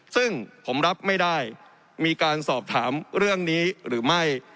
ซึ่งผมรับไม่ได้มีการสอบถามเรื่องนี้หรือไม่